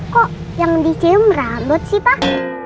kok yang dicium rambut sih pak